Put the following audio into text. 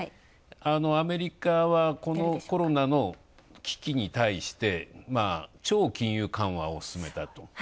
アメリカはコロナの危機にたいして、超金融緩和を進めたと。